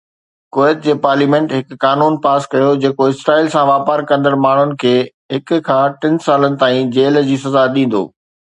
ڪويت جي پارليامينٽ هڪ قانون پاس ڪيو جيڪو اسرائيل سان واپار ڪندڙ ماڻهن کي هڪ کان ٽن سالن تائين جيل جي سزا ڏيندو